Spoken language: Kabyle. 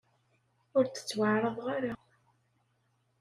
Ur d-ttwaɛerḍeɣ ara.